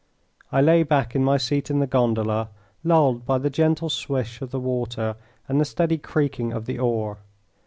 I lay back in my seat in the gondola, lulled by the gentle swish of the water and the steady creaking of the oar.